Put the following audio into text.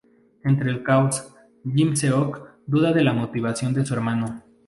Entre el caos, Jin-seok duda de la motivación de su hermano.